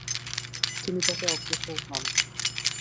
তিনি তাতে অগ্রসর হন।